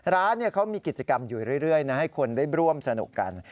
ร้านเขามีกิจกรรมอยู่เรื่อยนะให้คนได้ร่วมสนุกกัน